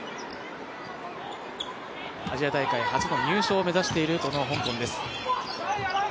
アジア大会初の入賞を目指している香港です。